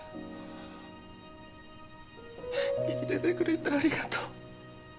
生きててくれてありがとう。